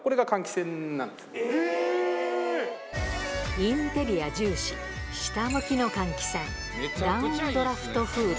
インテリア重視、下向きの換気扇、ダウンドラフトフード。